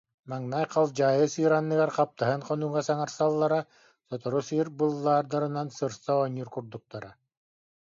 Маҥнай халдьаайы сыыр анныгар хаптаһын хонууга саҥарсаллара, сотору сыыр быллаардарынан сырса оонньуур курдуктара